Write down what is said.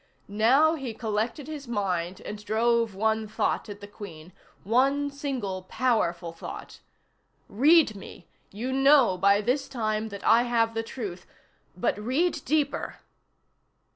Now, he collected his mind and drove one thought at the Queen, one single powerful thought: Read me! You know by this time that I have the truth _but read deeper!